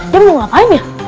dia mau ngapain ya